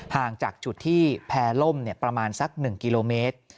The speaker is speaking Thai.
ห่างจากจุดที่แพร่ล่มประมาณสัก๑กิโลเมตร